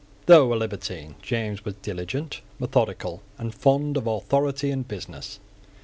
Though a libertine, James was diligent, methodical, and fond of authority and business.